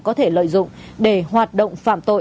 có thể lợi dụng để hoạt động phạm tội